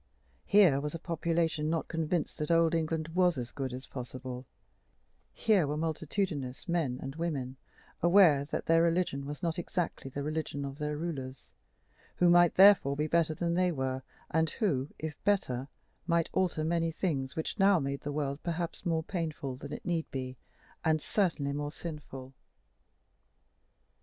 Here was a population not convinced that old England was as good as possible; here were multitudinous men and women aware that their religion was not exactly the religion of their rulers, who might therefore be better than they were, and who, if better, might alter many things which now made the world perhaps more painful than it need be, and certainly more sinful.